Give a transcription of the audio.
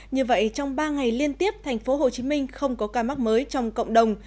như vậy trong ba ngày liên tiếp tp hcm không có ca mắc mới trong cộng đồng